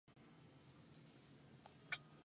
Es el faro más austral de la República de Chile.